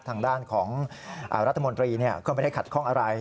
ทางด้านของรัฐมนตรีก็ไม่ได้ขัดข้องอะไร